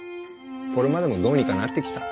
これまでもどうにかなってきた